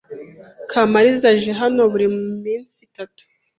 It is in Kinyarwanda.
Kamariza aje hano buri minsi itatu.